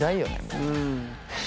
うん。